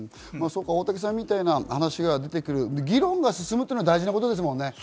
大竹さんみたいな話が出てくる、議論が進むっていうのは大事なことですもんね。